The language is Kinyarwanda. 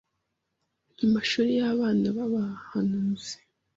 Mu mashuri y’abana b’abahanuzi,